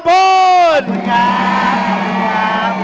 ขอบคุณครับ